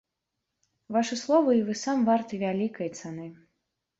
Вашы словы і вы сам варты вялікай цаны.